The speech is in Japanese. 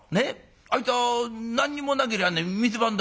あいつは何にもなけりゃあね店番だ。